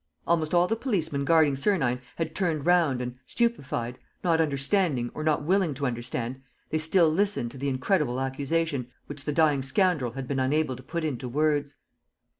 Almost all the policemen guarding Sernine had turned round and, stupefied, not understanding or not willing to understand, they still listened to the incredible accusation which the dying scoundrel had been unable to put into words.